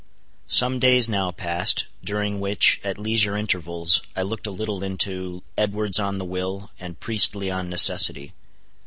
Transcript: Some days now passed, during which, at leisure intervals I looked a little into "Edwards on the Will," and "Priestly on Necessity."